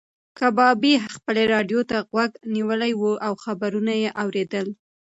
کبابي خپلې راډیو ته غوږ نیولی و او خبرونه یې اورېدل.